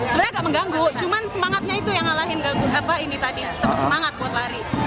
sebenarnya nggak mengganggu cuma semangatnya itu yang ngalahin gangguan apa ini tadi ya tetap semangat buat lari